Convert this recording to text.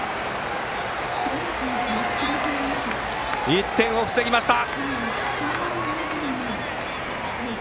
１点を防ぎました！